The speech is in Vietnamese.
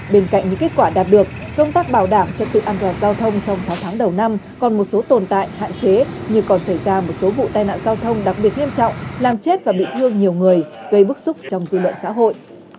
bên cạnh những kết quả đạt được công tác bảo đảm trật tự an toàn giao thông trong sáu tháng đầu năm còn một số tồn tại hạn chế như còn xảy ra một số vụ tai nạn giao thông đặc biệt nghiêm trọng làm chết và bị thương nhiều người gây bức xúc trong dư luận xã hội